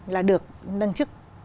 là được nâng chức